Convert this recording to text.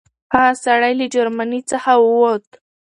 هغه سړی له جرمني څخه ووت.